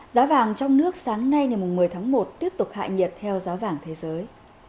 giá vàng trong nước sáng nay ngày một mươi tháng một tiếp tục hạ nhiệt theo giá vàng thế giới